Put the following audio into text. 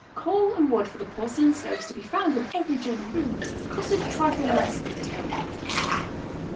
Coal and wood for the porcelain stoves to be found in every German room, cost a trifle less than at home.